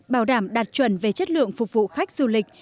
bảo đảm đạt chuẩn về chất lượng phục vụ khách du lịch